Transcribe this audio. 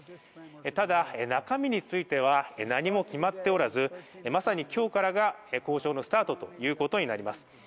ただ中身については何も決まっておらずまさに今日からが交渉のスタートということになります。